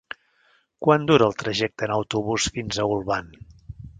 Quant dura el trajecte en autobús fins a Olvan?